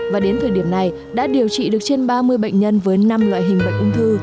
và đến thời điểm này đã điều trị được trên ba mươi bệnh nhân